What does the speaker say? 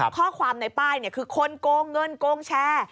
ข้อความในป้ายคือคนโกงเงินโกงแชร์